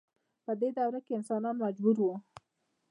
په دې دوره کې انسانان مجبور وو.